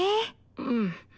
うん。